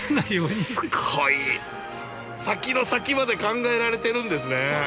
先の先まで考えられてるんですね。